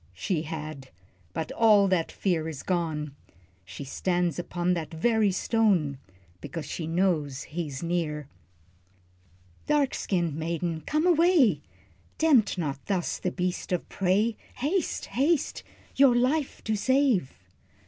She had but all that fear is gone, She stands upon that very stone, Because she knows he's near. "Dark skinned maiden, come away, Tempt not thus the beast of prey, Haste, haste, your life to save."